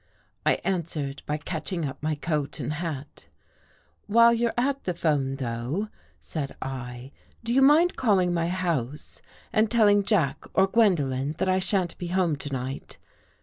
" I answered by catching up my coat and hat. " While you're at the 'phone, though," said I, " do you mind calling my house and telling Jack or Gwendolen that I shan't be home to night.